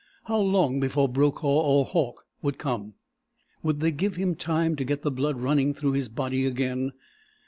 How long before Brokaw or Hauck would come? Would they give him time to get the blood running through his body again?